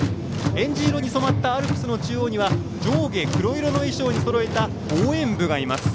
えんじ色に染まったアルプスの中央には上下黒色の衣装にそろえた応援部がいます。